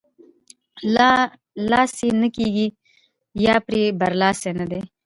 له لاسه یې نه کېږي یا پرې برلاسۍ نه دی.